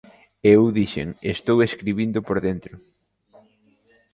E eu dixen: estou escribindo por dentro.